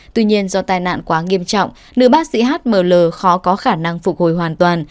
tuy nhiên do tai nạn quá nghiêm trọng nữ bác sĩ h m l khó có khả năng phục hồi hoàn toàn